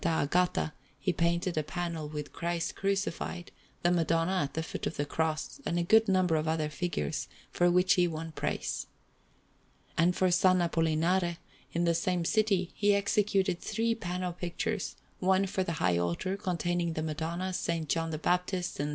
Agata he painted a panel with Christ Crucified, the Madonna at the foot of the Cross, and a good number of other figures, for which he won praise. And for S. Apollinare, in the same city, he executed three panel pictures; one for the high altar, containing the Madonna, S. John the Baptist, and S.